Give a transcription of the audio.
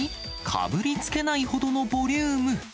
かぶりつけないほどのボリューム。